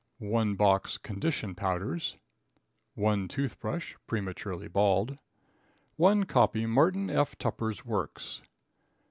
1 box Condition Powders. 1 Toothbrush (prematurely bald). 1 copy Martin F. Tupper's Works.